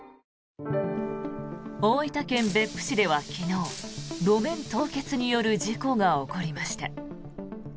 大分県別府市では昨日路面凍結による事故が起こりました。